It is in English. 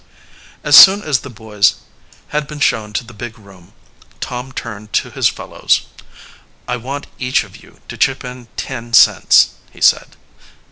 As soon as the boys had been shown to the big room, Tom turned to his fellows. "I want each of you to chip in ten cents," he said.